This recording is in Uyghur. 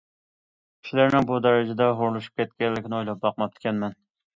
كىشىلەرنىڭ بۇ دەرىجىدە ھۇرۇنلىشىپ كەتكەنلىكىنى ئويلاپ باقماپتىكەنمەن.